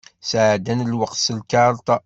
Sεeddan lweqt s lkarṭa.